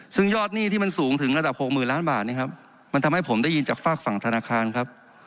ซึ่งยอดหนี้ที่มันสูงถึงระดับหกหมื่นล้านบาทนะครับมันทำให้ผมได้ยินจากฝากฝั่งธนาคารครับ